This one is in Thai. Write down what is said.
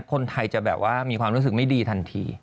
เดี๋ยวจะมีความรู้สึกไม่ดีทันที